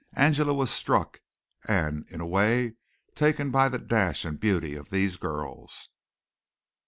Angela was struck and in a way taken by the dash and beauty of these girls.